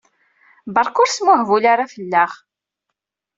Berka ur smuhbul ara fell-aɣ!